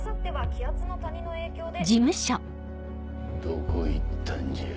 どこ行ったんじゃ。